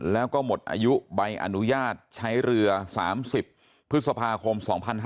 แล้วก็หมดอายุใบอนุญาตใช้เรือ๓๐พฤษภาคม๒๕๕๙